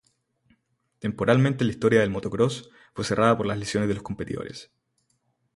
Temporalmente en la historia del motocross fue cerrada por las lesiones de los competidores.